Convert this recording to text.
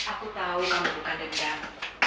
aku tahu kamu bukan dendam